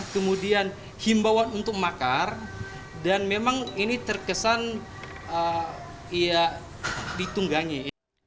kemudian himbawan untuk makar dan memang ini terkesan ya ditunggangi